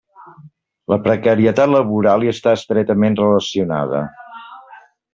La precarietat laboral hi està estretament relacionada.